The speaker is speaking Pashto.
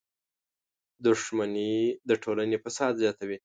• دښمني د ټولنې فساد زیاتوي.